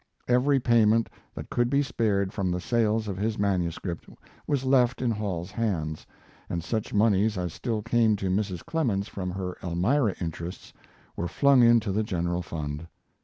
Every payment that could be spared from the sales of his manuscript was left in Hall's hands, and such moneys as still came to Mrs. Clemens from her Elmira interests were flung into the general fund.